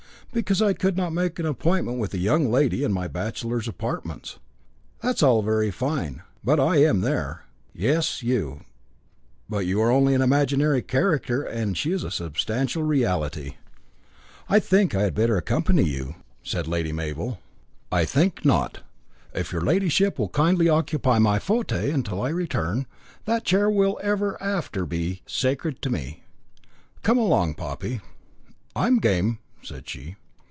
"Because I could not make an appointment with a young lady in my bachelor's apartments." "That's all very fine. But I am there." "Yes, you but you are only an imaginary character, and she is a substantial reality." "I think I had better accompany you," said Lady Mabel. "I think not. If your ladyship will kindly occupy my fauteuil till I return, that chair will ever after be sacred to me. Come along, Poppy." "I'm game," said she.